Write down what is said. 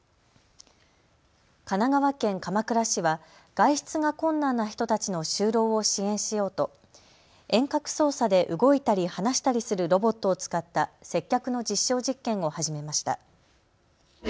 神奈川県鎌倉市は外出が困難な人たちの就労を支援しようと遠隔操作で動いたり話したりするロボットを使った接客の実証実験を始めました。